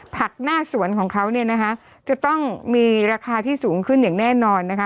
หน้าสวนของเขาเนี่ยนะคะจะต้องมีราคาที่สูงขึ้นอย่างแน่นอนนะคะ